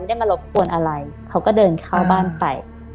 ได้มารบกวนอะไรเขาก็เดินเข้าบ้านไป